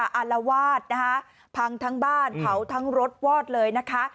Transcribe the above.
อารวาสนะคะพังทั้งบ้านเผาทั้งรถวอดเลยนะคะ